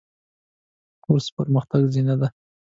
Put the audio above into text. کورس د پرمختګ زینه ده.